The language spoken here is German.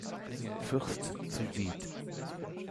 Fürst zu Wied.